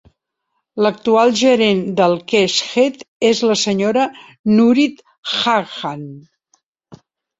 L'actual gerent del Keshet és la senyora Nurit Haghagh.